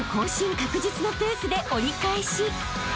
確実のペースで折り返し］